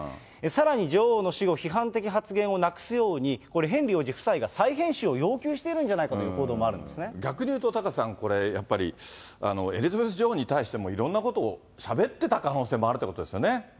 さらに、女王の死後、批判的発言をなくすように、これ、ヘンリー王子夫妻が再編集を要求してるんじゃないかという報道も逆に言うと、タカさん、これ、やっぱりエリザベス女王に対していろんなことをしゃべってた可能性もあるということですよね。